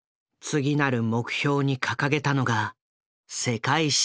次なる目標に掲げたのが世界進出。